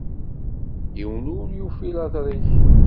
Yiwen ur yufi later-ik.